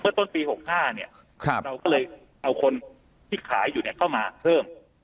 เพื่อต้นปีหกห้าเนี่ยครับเราก็เลยเอาคนที่ขายอยู่เนี่ยเข้ามาเพิ่ม